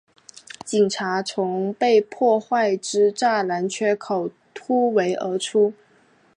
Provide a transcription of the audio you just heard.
警察从被破坏之栅栏缺口突围而出